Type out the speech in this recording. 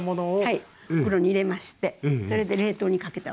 はい袋に入れましてそれで冷凍にかけたわけです。